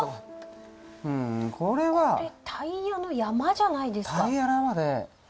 これタイヤの山じゃないですか。